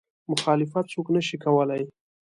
مخالفت څوک نه شي کولی.